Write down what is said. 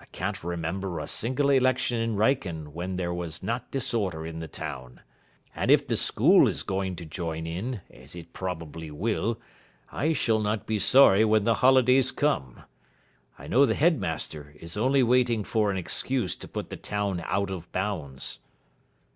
I can't remember a single election in Wrykyn when there was not disorder in the town. And if the school is going to join in, as it probably will, I shall not be sorry when the holidays come. I know the headmaster is only waiting for an excuse to put the town out of bounds.'